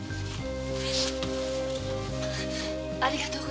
ありがとう。